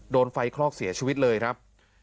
โดนไฟคลอกเสียชีวิตเลยครับ